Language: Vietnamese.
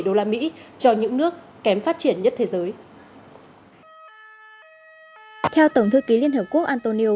đô la mỹ cho những nước kém phát triển nhất thế giới theo tổng thư ký liên hợp quốc antonio